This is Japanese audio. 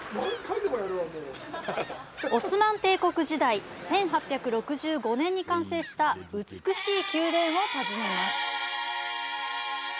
オスマン帝国時代、１８６５年に完成した美しい宮殿を訪ねます。